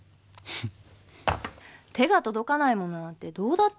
手が届かないものなんてどうだっていいじゃない。